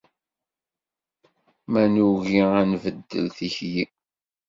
Ma nugi ad nbeddel tikli.